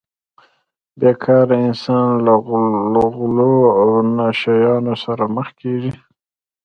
بې کاره انسان له غلو او نشه یانو سره مخ کیږي